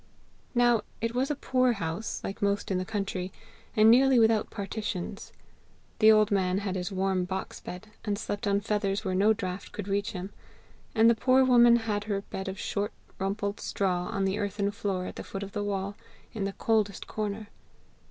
"Now it was a poor house, like most in the country, and nearly without partitions. The old man had his warm box bed, and slept on feathers where no draught could reach him, and the poor woman had her bed of short rumpled straw on the earthen floor at the foot of the wall in the coldest corner.